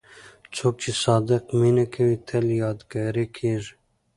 څوک چې صادق مینه کوي، تل یادګاري کېږي.